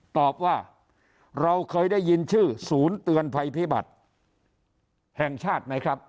ตอบว่าเราเคยได้ยินชื่อศูนย์เตือนภัยพิบัติแห่งชาติไหมครับ